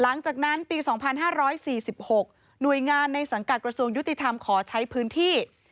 หลังจากนั้นปี๒๕๔๖หน่วยงานในสังกัดกระทรวงยุติธรรมขอใช้พื้นที่